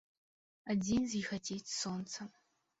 А дзень зіхаціць сонцам.